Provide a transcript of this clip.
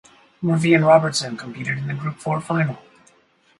Murphy and Robertson competed in the group four final.